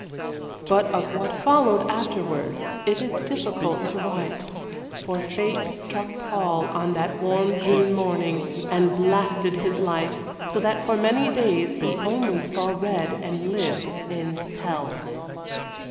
But of what followed afterwards it is difficult to write. For fate struck Paul on that warm June morning, and blasted his life, so that for many days he only saw red, and lived in hell.